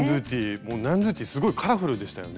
もうニャンドゥティすごいカラフルでしたよね。